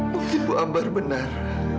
mungkin bu ambar benar